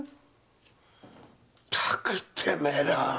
ったくてめえら‼